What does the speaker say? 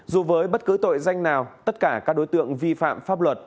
dù với bất cứ tội danh nào tất cả các đối tượng vi phạm pháp luật